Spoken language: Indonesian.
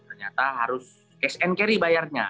ternyata harus cash and carry bayarnya